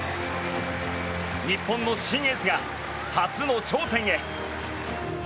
日本の新エースが初の頂点へ。